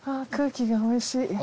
空気がおいしい。